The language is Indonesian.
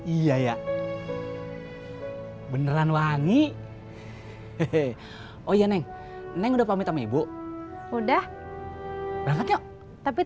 iya ya beneran wangi hehehe oh ya neng neng udah pamit ame bu udah tapi